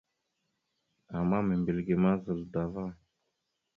Ama membilge ma zal dava.